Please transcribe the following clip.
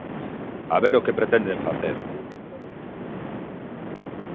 A ver o que pretenden facer.